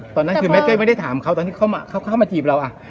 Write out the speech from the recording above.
ตอนนั้นคือแมทก็ไม่ได้ถามเขาตอนที่เขาเข้ามาจีบเรา